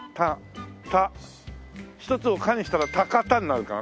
１つを「カ」にしたら「タカタ」になるかな？